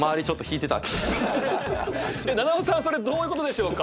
それどういうことでしょうか？